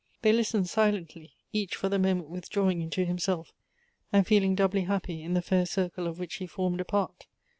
They listened silently, each for the moment withdrawing into himself, and feeling doubly happy in the fair circle of which he formed a part.